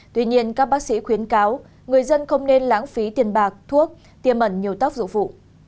tuy nhiên các bác sĩ khuyến cáo người dân không nên lãng phí tiền bạc thuốc tiềm ẩn nhiều tóc dụng vụ